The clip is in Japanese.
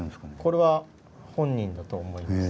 これは本人だと思います。